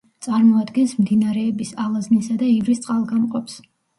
წარმოადგენს მდინარეების ალაზნისა და ივრის წყალგამყოფს.